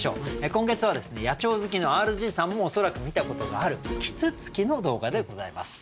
今月は野鳥好きのＲＧさんも恐らく見たことがある啄木鳥の動画でございます。